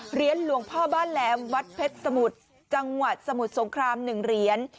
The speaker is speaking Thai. เหรียญหลวงพ่อบ้านแหลมวัดเพชรสมุทรจังหวัดสมุทรสงคราม๑เหรียญ